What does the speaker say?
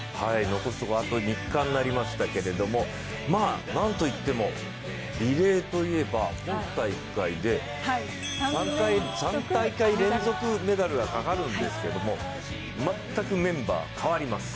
残すところ、あと３日になりましたけれども、なんといっても、リレーといえば今大会で３大会連続メダルがかかるんですけれども、全くメンバー代わります。